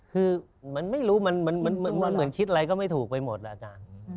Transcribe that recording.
คือมันไม่รู้มันเหมือนคิดอะไรก็ไม่ถูกไปหมดแล้วอาจารย์